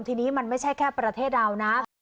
ทีนี้มันไม่ใช่แค่ประเทศเรานะ